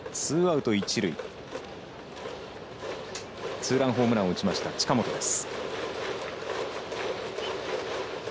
ツーランホームランを打ちました近本です。